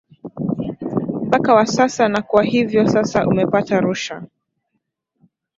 mpaka wa sasa na kwa hivyo sasa umepata rusha